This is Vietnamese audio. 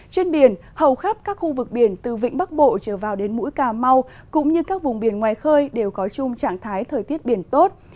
trên biển hầu khắp các khu vực biển từ vĩnh bắc bộ trở vào đến mũi cà mau cũng như các vùng biển ngoài khơi đều có chung trạng thái thời tiết biển tốt